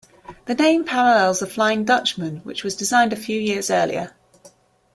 The name parallels the Flying Dutchman which was designed a few years earlier.